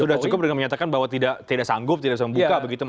sudah cukup dengan menyatakan bahwa tidak sanggup tidak bisa membuka begitu mas